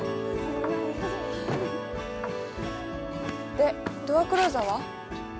でドアクローザーは？